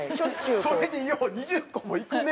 それでよう２０個もいくね。